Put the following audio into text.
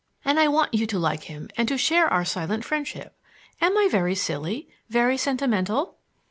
And I want you to like him and to share our silent friendship. Am I very silly, very sentimental?"